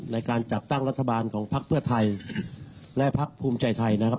ในการจัดตั้งรัฐบาลของพักเพื่อไทยและพักภูมิใจไทยนะครับ